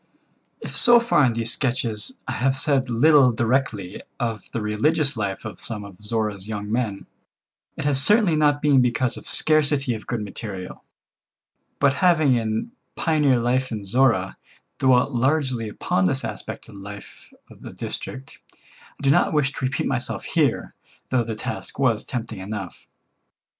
If so far in these sketches I have said little directly of the religious life of some of Zorra's young men, it has certainly not been because of scarcity of good material. But having in "Pioneer Life in Zorra " dwelt largely upon this aspect of the life of the district, I did not wish to repeat myself here, though the task was tempting enough.